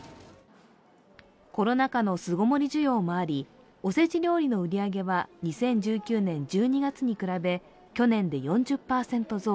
コロナ禍の巣ごもり需要もあり、おせち料理の売り上げは２０１９年１２月に比べ、去年で４０％増。